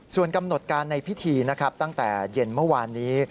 ส่วนกำหนดการในพิธีนะครับตั้งแต่เย็นเมื่อวานนี้